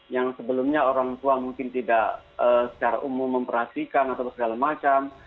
yang sebelumnya orang tua mungkin tidak secara umum memperhatikan atau segala macam